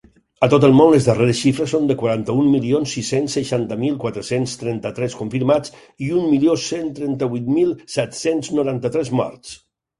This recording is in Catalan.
A tot el món, les darreres xifres són de quaranta-un milions sis-cents seixanta mil quatre-cents trenta-tres confirmats i un milió cent trenta-vuit mil set-cents noranta-tres morts.